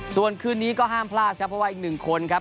ส่วนคืนนี้ก็ห้ามพลาดครับเพราะว่าอีกหนึ่งคนครับ